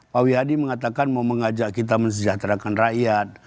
pak wiyadi mengatakan mau mengajak kita mensejahterakan rakyat